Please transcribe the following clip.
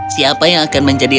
siapa yang akan menjadi